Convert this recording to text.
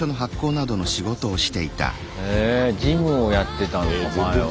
へぇ事務をやってたんだ前は。